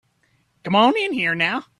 Come on in here now.